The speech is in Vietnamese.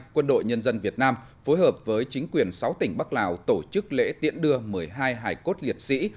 quân đội nhân dân việt nam phối hợp với chính quyền sáu tỉnh bắc lào tổ chức lễ tiễn đưa một mươi hai hải cốt liệt sĩ